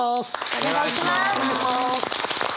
お願いします！